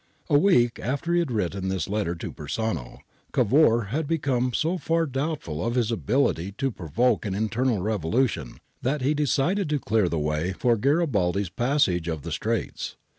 A week after he had written this letter to Persano, Cavour had become so far doubtful of his ability to provoke an internal revolution, that he decided to clear the way for Garibaldi's passage of the Straits.